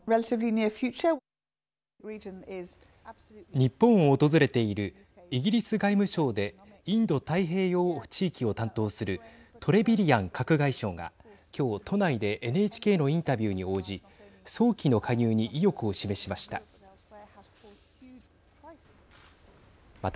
日本を訪れているイギリス外務省でインド太平洋地域を担当するトレビリアン閣外相が今日都内でＮＨＫのインタビューに応じ早期の加入に意欲を示しました。